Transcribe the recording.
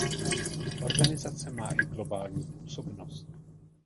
Organizace má i globální působnost.